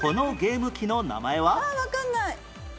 ああわかんない。